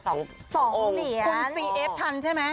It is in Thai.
คุณซีเอฟทันใช่ไหม